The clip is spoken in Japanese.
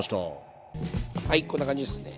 はいこんな感じですね。